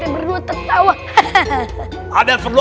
berdua tertawa ada perlu